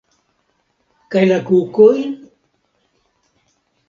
Kaj la kukojn?